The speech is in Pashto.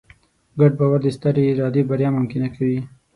ګډ باور د سترې ادارې بریا ممکنه کوي.